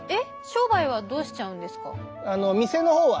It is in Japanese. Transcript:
商売はどうしちゃうんですか？